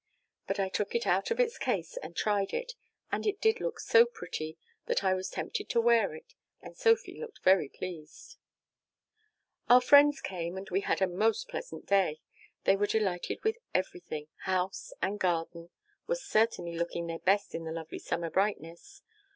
"But I took it out of its case and tried it, and it did look so pretty that I was tempted to wear it, and Sophy looked very pleased. "Our friends came and we had a most pleasant day. They were delighted with everything house and garden were certainly looking their best in the lovely summer brightness.